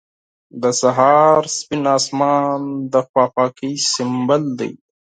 • د سهار سپین آسمان د پاکۍ سمبول دی.